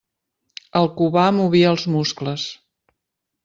El Cubà movia els muscles.